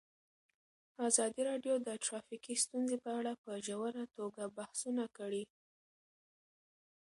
ازادي راډیو د ټرافیکي ستونزې په اړه په ژوره توګه بحثونه کړي.